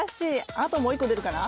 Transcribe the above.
あともう一個出るかな？